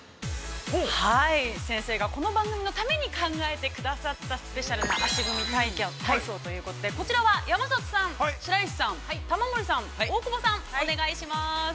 ◆先生がこの番組のために考えてくださったスペシャルな足踏み体操ということで、こちらは、山里さん、白石さん玉森さん、大久保さん、お願いします。